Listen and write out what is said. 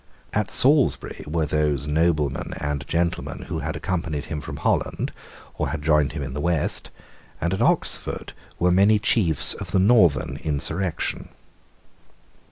At Salisbury were those noblemen and gentlemen who had accompanied him from Holland or had joined him in the West; and at Oxford were many chiefs of the Northern insurrection.